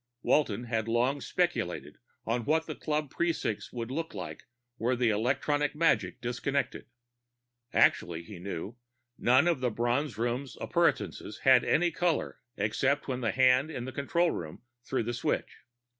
Walton had long speculated on what the club precincts would be like were the electronic magic disconnected. Actually, he knew, none of the Bronze Room's appurtenances had any color except when the hand in the control room threw the switch.